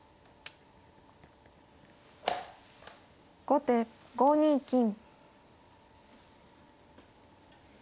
後手５二金。